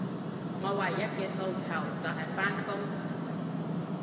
我唯一嘅訴求，就係返工